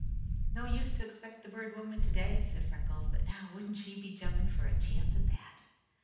"No use to expect the Bird Woman today," said Freckles; "but now wouldn't she be jumping for a chance at that?"